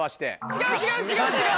違う違う違う違う。